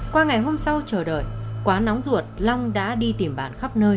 qua ngày hôm sau chờ đợi quá nóng ruột long đã đi tìm bạn khắp nơi